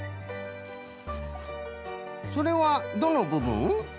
それはどのぶぶん？